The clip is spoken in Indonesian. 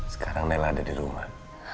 sekarang nella ada di rumah